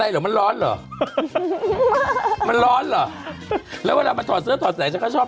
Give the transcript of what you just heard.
พี่จะเล่าให้ฉันฟังเลยมีแต่แบบจะตบกูทั้งวันเลยบอกขอกินหน่อยสิ